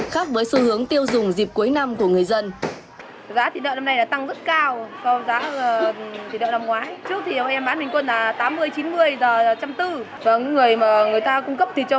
khác với xu hướng tiêu dùng dịp cuối năm của người dân